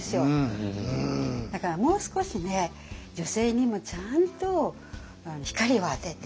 だからもう少しね女性にもちゃんと光を当てて。